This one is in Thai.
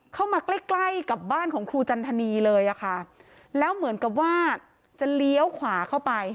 เข้ามาใกล้ใกล้กับบ้านของครูจันทนีเลยอะค่ะแล้วเหมือนกับว่าจะเลี้ยวขวาเข้าไป